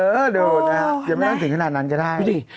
เออดูนะฮะยังไม่นั่นถึงขนาดนั้นก็ได้